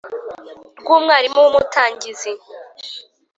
Rw umwarimu w umutangizi